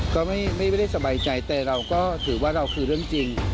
ก็ไม่ได้สบายใจแต่เราก็ถือว่าเราคือเรื่องจริง